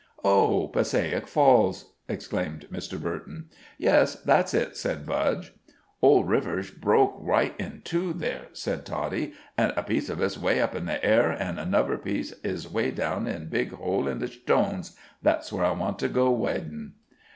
"Oh Passaic Falls!" exclaimed Mr. Burton. "Yes, that's it," said Budge. "Old riverzh bwoke wight in two there," said Toddie, "an' a piece of it's way up in the air, an' anuvver piece izh way down in big hole in the shtones. That'sh where I want to go widin'."